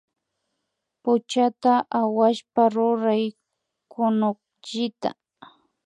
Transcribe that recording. Puchata awashpa ruray kunukllita